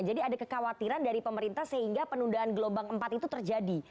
ada kekhawatiran dari pemerintah sehingga penundaan gelombang empat itu terjadi